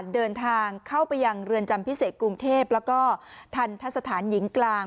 เดินทางเข้าไปยังเรือนจำพิเศษกรุงเทพแล้วก็ทันทะสถานหญิงกลาง